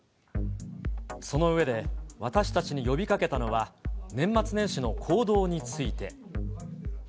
その上で私たちに呼びかけたのは、年末年始の行動について。